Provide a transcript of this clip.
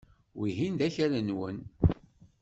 Wihin d akal-nwen.